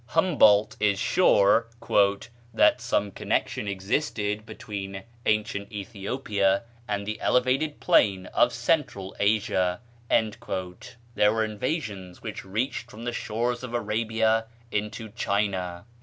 Humboldt is sure "that some connection existed between ancient Ethiopia and the elevated plain of Central Asia." There were invasions which reached from the shores of Arabia into China.